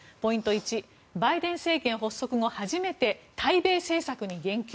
１バイデン政権発足後初めて対米政策に言及。